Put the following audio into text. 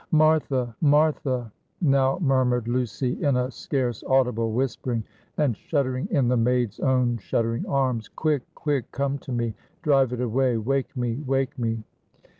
"Martha! Martha!" now murmured Lucy, in a scarce audible whispering, and shuddering in the maid's own shuddering arms, "quick, quick; come to me drive it away! wake me! wake me!"